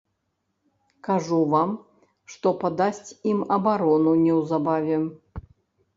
Кажу вам, што падасць ім абарону неўзабаве.